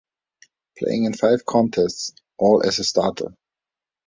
Playing in five contests, all as a starter.